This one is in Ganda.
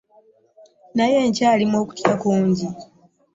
Nali nkyalimu okutya kungi.